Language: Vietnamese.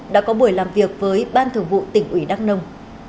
đã có buổi làm việc với ban thường vụ tỉnh ủy đắk nông